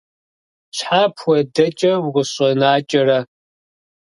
Щхьэ апхуэдэкӀэ укъысщӀэнакӀэрэ?